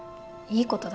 いいことだ。